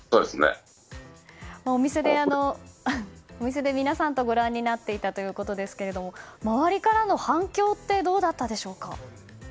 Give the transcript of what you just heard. お店で、皆さんとご覧になっていたということですが周りからの反響ってどうだったでしょうか。